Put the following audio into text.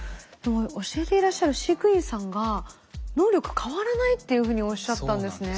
教えていらっしゃる飼育員さんが「能力変わらない」っていうふうにおっしゃったんですね。